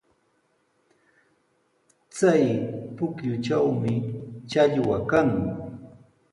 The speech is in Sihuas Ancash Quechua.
Chay pukyutrawmi challwa kan.